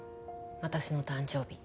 私の誕生日。